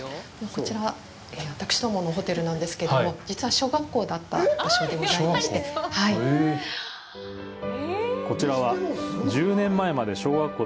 こちら、私どものホテルなんですけども、実は小学校だった場所でございまして。小学校！？